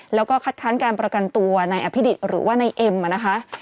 แล้วก็คัดค้านการประกันตัวนายอภิดิษฐ์หรือว่านายเอ็มนะคะ